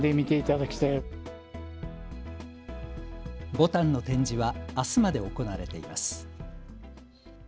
ぼたんの展示はあすまで行われています。